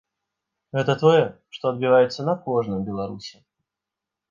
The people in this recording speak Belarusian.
Гэта тое, што адбіваецца на кожным беларусе.